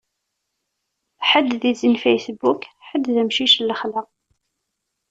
Ḥedd d izi n Facebook, ḥedd d amcic n lexla.